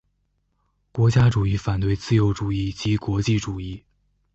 国家主义反对自由主义及国际主义。